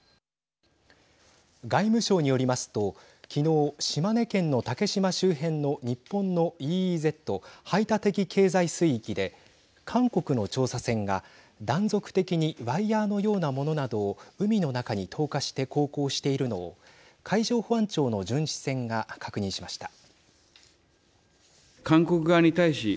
外務省によりますときのう、島根県の竹島周辺の日本のＥＥＺ＝排他的経済水域で韓国の調査船が、断続的にワイヤーのようなものなどを海の中に投下して航行しているのを海上保安庁の巡視船が確認しました。